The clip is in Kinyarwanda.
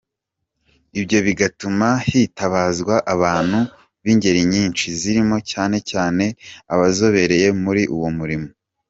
Ibyo bigatuma hitabazwa abantu b’ingeri nyinshi zirimo cyane cyane abazobereye muri uwo murimo.